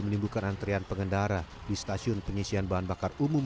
menimbulkan antrian pengendara di stasiun pengisian bahan bakar umum